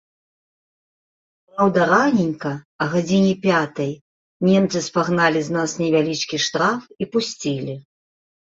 Праўда, раненька, а гадзіне пятай, немцы спагналі з нас невялічкі штраф і пусцілі.